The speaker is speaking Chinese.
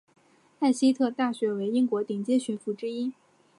艾希特大学为英国顶尖学府之一。